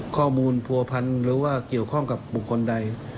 ข้อมูลผัวพันธ์หรือว่าเกี่ยวข้องกับบุคคลใด